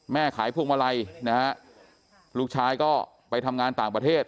แม่ขายพวกมะไล่ลูกชายก็ไปทำงานต่างประเทศ